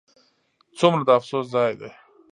ځومره د افسوس ځاي دي